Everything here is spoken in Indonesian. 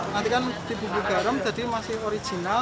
nantikan di bubur garam jadi masih original